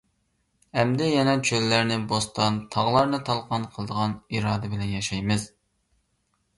ئەمدى يەنە چۆللەرنى بوستان، تاغلارنى تالقان قىلىدىغان ئىرادە بىلەن ياشايمىز.